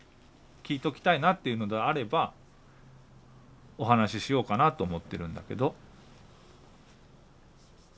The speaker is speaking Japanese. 「聞いときたいな」っていうのであればお話ししようかなと思ってるんだけど。